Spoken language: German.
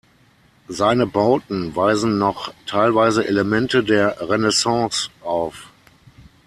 Seine Bauten weisen noch teilweise Elemente der Renaissance auf.